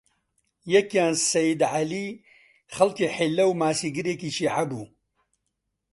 یەکیان سەیید عەلی، خەڵکی حیللە و ماسیگرێکی شیعە بوو